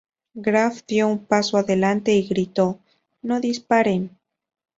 Graf dio un paso adelante y gritó "¡No disparen!